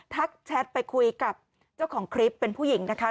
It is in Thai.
แชทไปคุยกับเจ้าของคลิปเป็นผู้หญิงนะคะ